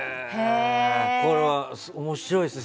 これは面白いですね。